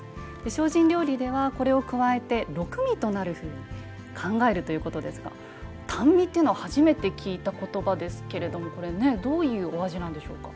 精進料理ではこれを加えて六味となるふうに考えるということですが淡味っていうのは初めて聞いた言葉ですがどういうお味なんでしょうか？